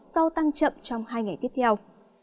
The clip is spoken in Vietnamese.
sau tăng chậm trong hai ngày tiếp theo